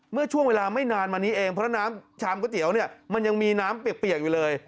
เมื่อช่วงเวลาไม่นานมานี้เองเพราะน้ำชามก๋วยเตี๋ยวเนี่ยมันยังมีน้ำเปียกอยู่เลย